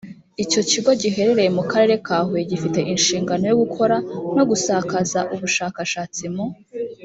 icyo kigo giherereye mu karere ka huye gifite inshingano yo gukora no gusakaza ubushakashatsi mu